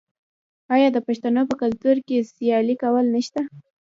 آیا د پښتنو په کلتور کې سیالي کول نشته؟